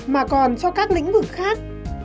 mà còn cho các lĩnh vực khác